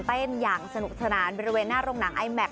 เกมเต้นอย่างสนุกสนานบริเวณหน้าโรงหนังไอแม็กซ์